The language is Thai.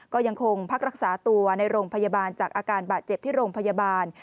ก็ยังคงพักรักษาตัวในโรงพยาบาลจากอาการบาดเจ็บที่โรงพยาบาล